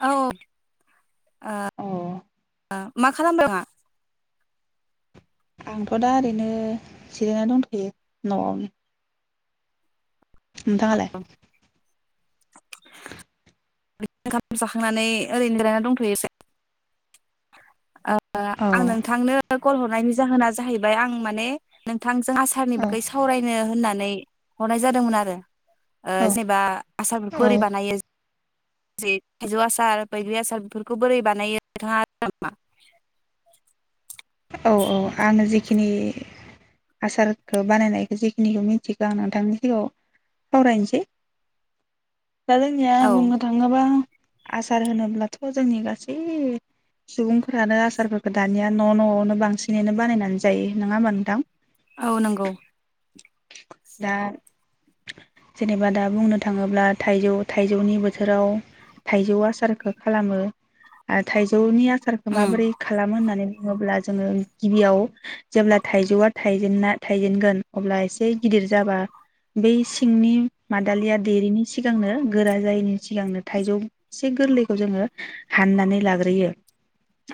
औ अ [inaudible] अ मा खालामदों? आ आंथ दा ओरैनो जिरायना दंथयो नआवनो नोंथाङालाइ? [unintelligible] जाखांनानै ओरैनो जिरायनानै दंथयो एसे। आ अ औ आं नोंथांनो कल हरनायनि जाहोना जाहैबाय आं माने नोंथां जों आसारनि औ बागै सावरायनो होननानै हरनाय जादोंमोन आरो ओ औ जेनेबा आसारफोरखौ औ ओरै बानायो थाइजौ आसार बैग्रि आसार बेफोरखौ बोरै बानायो नोंथाङा [unintelligible] औ औ आङो जिखिनि आसारखौ बानायनायखौ जेखिनिखौ मिथिगो आं नोंथांनि सिगाङाव सावरायनोसै दा जोंनिया औ बुंनो थाङोब्ला आसार होनोब्लाथ जोंनि गासै सुबुंफोरानो आसारफोरखौ दानिया न न आवनो बांसिनैनो बानायनानै जायो नङा होमबा नोंथां? औ नंगौ। दा जेनेबा दा बुंनो थाङोब्ला थाइजौ थाइजौनि बोथोराव थाइजौ आसारखौ खालामो आरो थाइजौनि आसार सारखौ उम माबोरै खालामो होननानै बुङोब्ला जोङो गिबियाव जेब्ला थाइजौआ थाइजेना थाइजेनगोन अब्ला एसे गिदिर जाबा बै सिंनि मादालिया देरिनि सिगांनो गोरा जायैनि सिगांनो थाइजौ इसे गोरलैखौ जोङो हाननानै लाग्रोयो।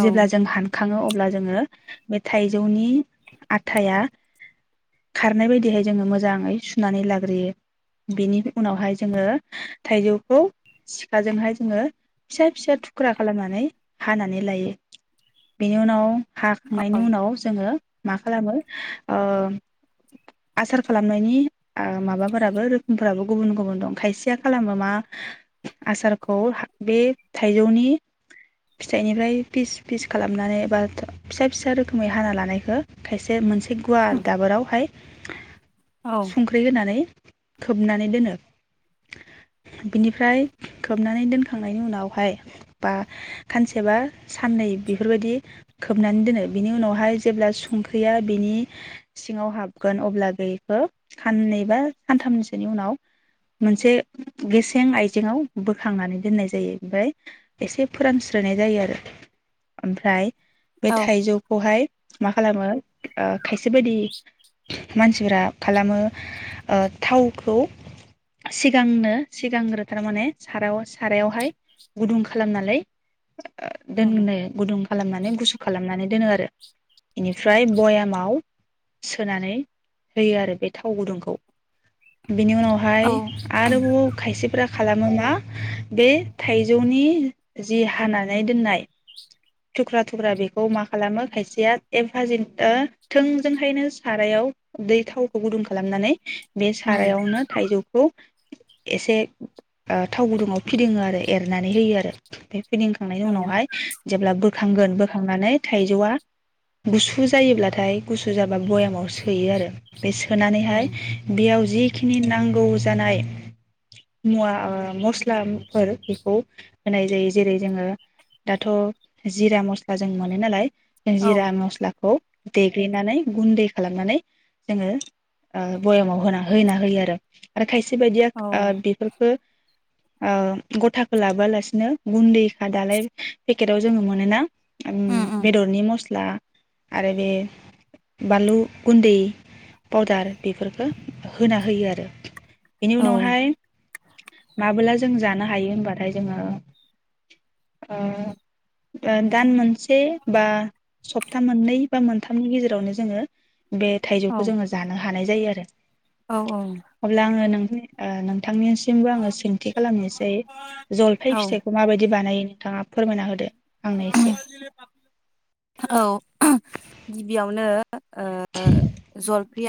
औ जेब्ला जों हानखाङो अब्ला जोङो मे थाइजौनि आथाया खारनाय बायदिहाय जोङो मोजाङै सुनानै लाग्रोयो बेनि उनावहाय जोङो थाइजौखौ सिखाजोंहाय जोङो फिसा फिसा थुख्रा खालामनानै हानानै लायो। बेनि उनाव औ हाखांनायनि उनाव जोङो मा खालामो ओ आसार खालामनायनि ओ माबाफोराबो रोखोमफोराबो गुबुन गुबुन दं खायसेया खालामो मा आसारखौ बे थाइजौनि फिथाइनिफ्राय फिस फिस खालामनानै एबा फिसा फिसा रोखोमै हाना लानायखौ खायसे मोनसे गुवार उम दाबोराव फाय औ संख्रि होनानै खोबनानै दोनो बिनिफ्राय खोबनानै दोनखांनायनि उनावहाय बा खानसेबा साननै बेफोरबायदि खोबनानै दोनो बेनि उनावहाय जेब्ला संख्रैया बिनि सिङाव हाबगोन अब्ला बैखो खाननै बा खानथामैसोनि उनाव मोनसे गेसें आयजेंआव बोखांनानै दोननाय जायो ओमफ्राय एसे फोरानस्रोननाय जायो आरो ओमफ्राय बे औ थाइजौखौहाय मा खालामो ओ खायसे बायदि मानसिफोरा खालामो ओ थावखौ सिगांनो सिगांग्रो थारमाने सारायाव सारायावहाय गुदुं खालामनानै दोननो गुदुं खालामनानै गुसु खालामनानै दोनो आरो बेनिफ्राय बयामाव सोनानै होयो आरो बे थाव गुदुंखौ। बिनि उनावहाय औ आरोबाव खायसेफ्रा खालामो मा बे थाइजौनि जि हानानै दोननाय थुख्रा थुख्रा बेखौ मा खालामो खायसेया एगभाजैनो थोंजों हायनो सारायाव दै थावखौ गुदुं खालामनानै बे उम सारायावनो थाइजौखौ एसे ओ थाव गुदुङाव फिदिङो आरो एरनानै होयो आरो बे फिदिंखांनायनि औ उनावहाय जेब्ला बो खांगोन बोखांनानै थायजौआ गुसु जायोब्लाथाय गुसु गुसु जाबा भयामाव सोयो आरो बे औ सोनानैहाय बेयाव जिखिनि नांगौ जानाय मुवा ओ मस्लाफोर बेखौ होनाय जायो जेरै जोङो दाथ' जिरा मस्ला जों मोनो नालाय औ जिरा मस्लाखौ देग्लिनानै गुन्दै खालामनानै जोङो ओ बयामाव होना होना होयो आरो। आरो खायसे बायदिया औ ओ बिफोरखो ओ गथाखो लाबोआलासिनो गुन्दैखा दालाय पेकेटाव जोङो मोनोना ओम उम उम बेदरनि मस ला आरो बे बानलु गुन्दै फावदार बेफोरफोरखो होना होयो आरो बेनि औ उनावहाय माबोला जों जानो हायो होनबाथाय जोङो ओ ओ दान मोनसे बा सप्ता मोननै बा मोनथाम गेजेरावनो जोङो बे औ थाइजौखौ जोङो जानो हा हानाय जायो आरो औ अब्ला आङो नों [unintelligible] नि ओ नों नोथांनिसिमबो आङो सोंथि खालामनोसै औ जलफाय फिथाइखौ माबायदि बानायो? थाङा फोरमायना होदो। आंनो एसे [unintelligible] औ [unintelligible] गिबियावनो ओ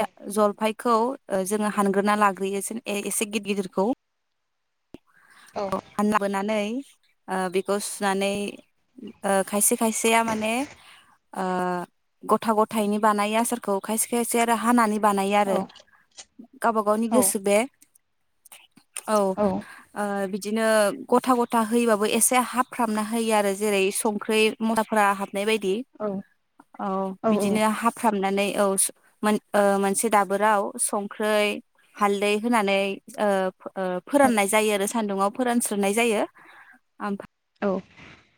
औ जलफाय खौ ओ जोङो हानग्रोना लाग्रोयो सिन ए-एसे गि-गिदिरखौ औ हानना [unintelligible] बोनानै ओ बेखौ सुनानै ओ खायसे खायसेया माने ओ गथा गथायनि बानाय आसारखौ खायसे खायसे आरो हानानै बानायो आरो गावबा गावनि गोसो बे ओ बिद बिदिनो गथा गथा होयोबाबो एसे हाबफ्रामना होयो आरो जेरै संख्रि मदाफोरा हाब नाय बायदि औ बिदिनो हाफ्राब नानोय औ सो मोन मोनसे दाबोराव संख्रै हालदै होनानै ओ फो ओ फोराननाय जायो आरो सान्दुङाव फोरानस्रोनाय जायो ओमफा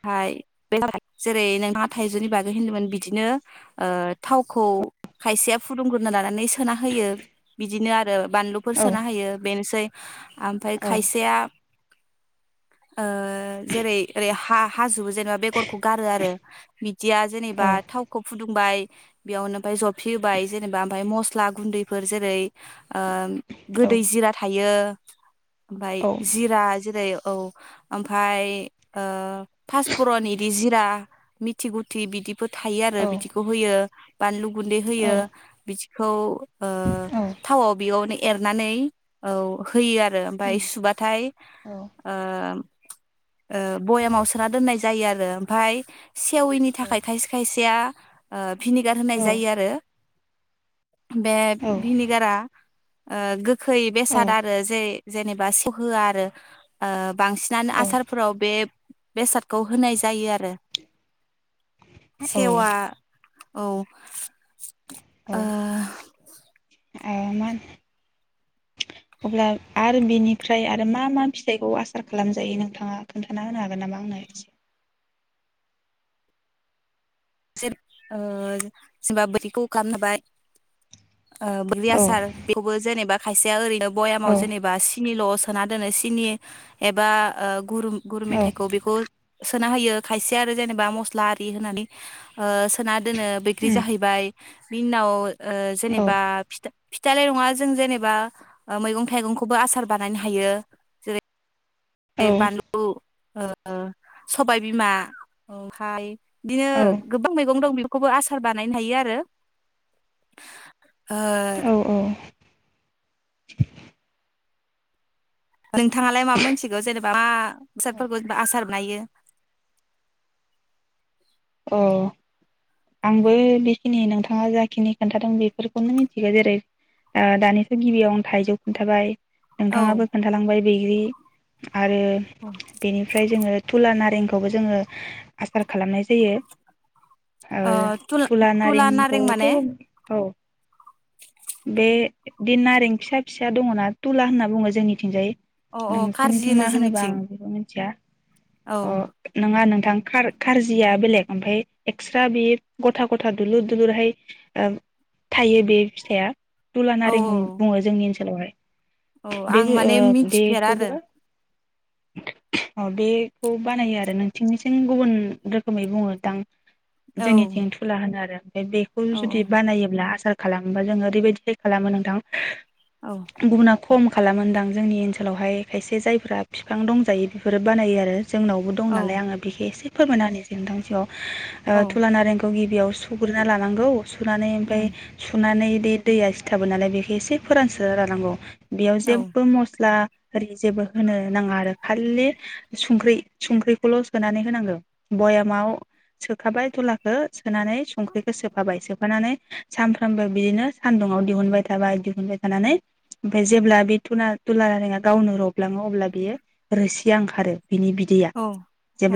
हाय बे जेरै नोंथाङा थाइजौनि बागै होनदोंमोन बिदिनो ओ थावखौ खायसेया फुदुंग्रोना लानानै सोना होयो बिदिनो आरो बानलुफोर सोना हायो बेनोसै ओमफ्राय खायसेया ओ जेरै ओरै हा हाजुब जेनेबा बेगरखौ गारो आरो बिदिया जेनेबा थावखौ फुदुं बाय बेयावनो ओमफ्राय जफि होबाय जेनेबा ओमफ्राय मस्ला गुन्दैफोर जेरै ओ गोदै जिरा थायो [unintelligible] ओमफ्राय जिरा जिरायो औ ओमफ्राय ओ फासफुरन इदि जिरा मिथि गुथि बिदि फोर थायो आरो बिदिखौ होयो। बानलु गुन्दै होयो बिदि खौ ओ थावाव बेयावनो एरनानै औ होयो आ रो ओमफ्राय सुबाथाय ओम ओ बयामाव सोना दोननाय जायो आरो रो ओमफाय सेवैनि थाखाय खायसे खायसेया ओ भिनेगार होनाय जायो आरो बे भिनिगारा ओ गोखै औ बेसाद आरो जे जेनेबा सेवहोया आरो ओ बांसिनानो औ आसारफोराव बे बेसादखौ होनाय जायो आरो सेवा औ। ओह ए मा अब्ला आरो बिनिफ्राय आरो मा मा फिथाइखौ आसार खालामजायो नोंथाङा खोन्थाना होनो हागोन नामा आंनो एसे? जेब ओ जेनोबा बोरैखौ खालाम हबाय ओ बैग्रि औ आसार बेवबो जेनोबा खायसेया ओरैनो औ बयामाव जेनोबा सिनिल सो सोना दोनो सिनि एबा ओ गुरु गुर औ मेथाइखौ बेखौ सोना होयो खायसे आरो जेनेबा मस्ला आरि होनानै ओ सोना दोनो बैग्रि जाहैबाय बिनि उनाव ओ औ जेनोबा फिथा फिथाइल' नङा जों जेनोबा ओ मैगं थाइगंखौबो आसार बानायनो हायो। जेरै बे बानलु ओ ओ सबाय बिमा ओमफाय दिनो गोबां मैगं दं बे खौबो आसार बानायनो हायो आरो ओ औ नोंथाङालाय मा मिथिगौ जेनेबा मा औ बेसादफोरखौ आसार बानायो? अ आंबो बेखिनि नोंथाङा जाखिनि खोन्थादों बेफोरखौनो मिथिगौ जेरै दानिथ गिबियाव थाइजौ खोन्थाबाय औ नोंथाङाबो खोन्थालांबाय बैग्रि आरो ओ बेनिफ्राय जोङो थुला नारें खौबो जोङो आसार खालामनाय जायो आ तुला थुला तुला नारें नारेंखौथ माने औ बे बिदि नारें फिसा फिसा दङना थुला होनना बुङो जोंनिथिंजाय अ अ खारजि नोंसोरनिथिं होनो मा होनोबा जोंनिथिं आं बेखौ मिथिया औ अ नङा नों थां खार-खारजि जिया बेलेग ओमफाय एक्सट्रा बे गथा गथा दुलुर दुलुरहाय थायो बे फिथाइया थुला औ नारें होम बुङो जोंनि ओन सोलावहाय। औ आं माने मिथिफेरा आरो अ बेखौ बानायो आरो नोंसिनिसिम गुबुन रो खोमै बुङोदां जोंनिथिं थुला होनो आरो बे बेखौ औ जुदि बानायोब्ला आसार खालामोबा जोङो ओरैबायदिहाय खालामो नोंथां औ गुबुनाग खम खालामोदां जोंनि ओनसोलावहाय खायसे जायफ्रा बिफां दंजायो बेफोरो बानायो आरो जोंनावबो दं औ नालाय आङो बेखेसो फोरमायना होनि नोंथांनि सिगाङाव ओ औ थुला नारेंखौ गि बेयाव सुग्रोना लानांगौ सुनानै ओमफ्राय उम सुनानै बे दैया सिथाबो नालाय बेखौ एसे फोरानस्रोना रानांगौ। बेयाव औ जेबो मस्ला आरि जेबो होनो नाङा आरो खालि संख्रि संख्रिखौल सोनानै होनांगौ। भयामाव सोखाबाय दुलाखौ सोनानै संख्रिखौ सोफाबाय सोब माबानानै सानफ्रामबो बिदिनो सान्दुंङाव दिहुनबाय थाबाय दिहुनबाय थानानै ओमफ्राय जेब्ला बेु थुला थुला नारेङा गावनो रबलाङो अब्ला बियो रोसिया ओंखारो। बिनि बिदैया औ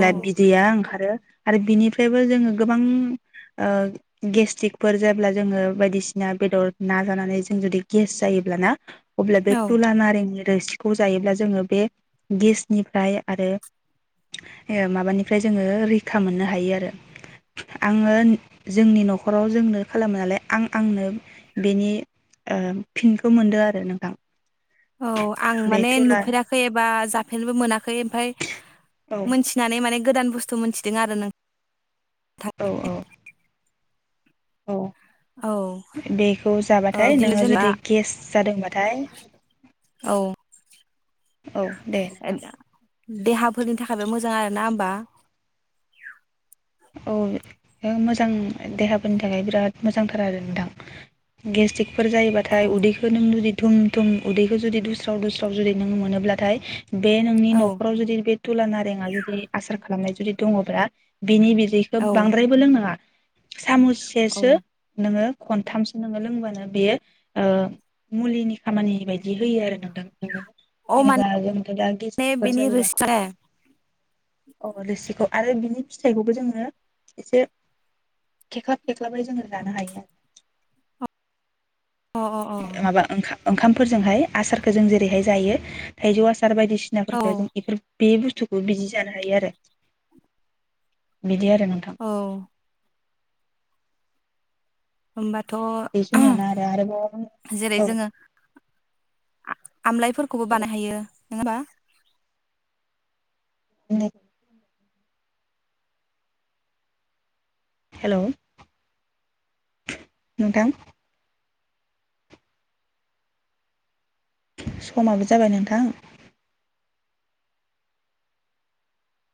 औ बिदैया ओं खारो आरो बिनिफ्रायबो जोङो गोबां गेस्टिरिकफोर जायोब्ला जोङो बायदिसिना बेदर ना जानानै जों जुदि गेस जायोब्लाना अब्ला बे औ थुला नारें रोसिखौ जायोब्ला जोङो बे गेसनिफ्राय आरो माबानिफ्राय जोङो रैखा मोननो हायो आरो आङो जोंनि नखराव जोंनो खालामो नालाय आं आंनो बेनि फिनखौ मोनदों आरो नोंथां औ आं बे माने तुला नुफेराखै एबा जाफेननोबो मोना खै ओमफ्राय औ मोनथिनानै माने गोदान बुस्थु मोनथिदों आरो नों औ औ औ औ बेखौ ओ जाबाथाय बिदिनो नोङो जेनेबा जुदि गेस जादोंबाथाय औ औ दे नोंथां देहाफोरनि थाखायबो मोजां आरो ना होमबा? औ मोजां देहाफोरनि थाखाय बिराद मोजांथार आरो नोंथां गेस्ट्रिक फोर औ जायोबाथाय उदैखौ नों जुदि थुम थुम उदैखौ जुदि दुस्राव दुस्राव जुदि नोङो मोनोब्लाथाय बे नोंनि औ नखराव जुदि बे थुल नारेङा जुदि आसार खालामनाय जुदि दङब्ला बिनि बिदैखौ औ बांद्रायबो लोंनाङा औ सामुससेसो नोङो खनथामसो नोङो लोंबानो बेयो मुलिनि खामानि बायदि होयो आरो नोंथां। अ जेनबा माने जोंथ दा गेसटिकफोर बेनि जायोब्ला रोसि अ रोसिखौ आरो बिनि फिथाइखौबो जोङो एसे खेख्लाब खेख्लाबै जोङो जानो हायो आरो अ अ अ माबा ओंखा ओंखामफोरजोंहाय आसारखौ जों जेरैहाय जायो थाइजौ आ सार औ बायदिसिनाफोरखौ जों बेफोर बे बुस्थु बे बिदि जानो हायो आरो बिदि आं औ [inaudible] बे खिनियानो आरो आरोबाव जेरै औ आमलाायफोरखौबो औ बानाय हायो [inaudible] [inaudible] हेल नोंथां समाबो जाबाय नोंथां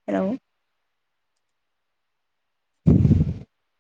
हेल [inaudible]